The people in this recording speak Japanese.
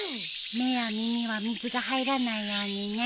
目や耳は水が入らないようにね。